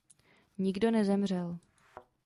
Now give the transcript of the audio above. Nikdo nezemřel.